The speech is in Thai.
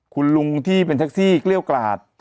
คุณลุงที่เป็นแท็กซี่เกลี้ยวกราด